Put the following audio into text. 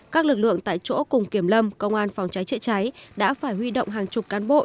các lực lượng tại chỗ cùng kiểm lâm công an phòng cháy chữa cháy đã phải huy động hàng chục cán bộ